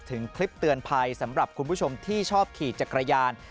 ถึงคลิปเตือนภัยสำหรับคุณผู้ชมที่ชอบขี่จักรยาน